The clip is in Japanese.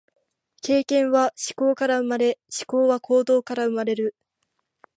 経験は思考から生まれ、思考は行動から生まれる。